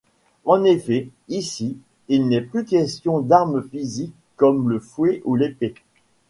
En effet, ici, il n'est plus question d'armes physiques comme le fouet ou l'épée.